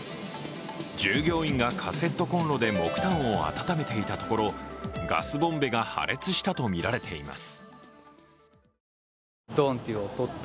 従業員がカセットこんろで木炭を温めていたところガスボンベが破裂したとみられています。